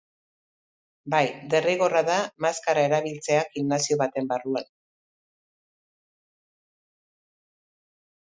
Bai, derrigorra da maskara erabiltzea gimnasio baten barruan.